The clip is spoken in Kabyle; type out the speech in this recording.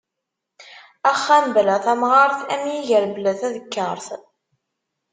Axxam bla tamɣart am yiger bla tadekkart.